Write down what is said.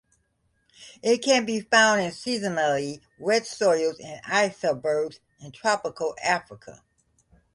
It can be found in seasonally wet soils and inselbergs in Tropical Africa.